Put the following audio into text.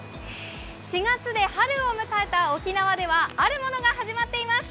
４月で春を迎えた沖縄ではあるものが始まっています。